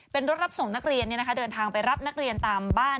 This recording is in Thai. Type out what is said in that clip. เป็นรถรับส่งนักเรียนเดินทางไปรับนักเรียนตามบ้าน